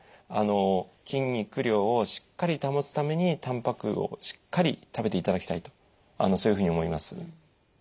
あの筋肉量をしっかり保つためにたんぱくをしっかり食べていただきたいとそういうふうに思います。